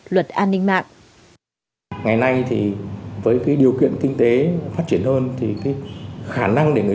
luật an ninh mạng ngày nay thì với cái điều kiện kinh tế phát triển hơn thì cái khả năng để người